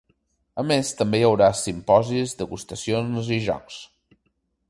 A més, també hi haurà simposis, degustacions i jocs.